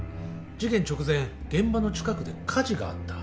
事件直前現場の近くで火事があった。